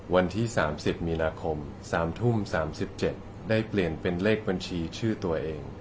วันที่๓๐มีนาคม๓ทุ่ม๓๗ได้เปลี่ยนเป็นเลขบัญชีชื่อตัวเอง